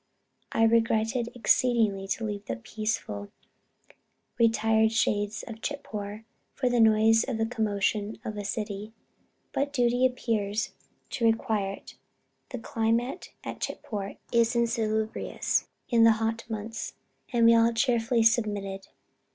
I regretted exceedingly to leave the peaceful, retired shades of Chitpore for the noise and commotion of a city, but duty appeared to require it" (the climate at Chitpore is insalubrious in the hot months) "and we all cheerfully submitted.